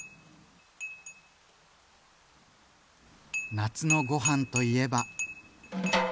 夏のご飯といえば。